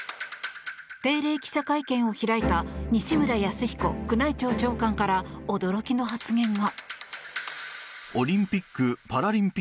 定例記者会見を開いた西村泰彦宮内庁長官から驚きの発言が。